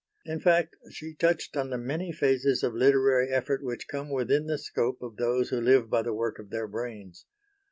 In fact she touched on the many phases of literary effort which come within the scope of those who live by the work of their brains.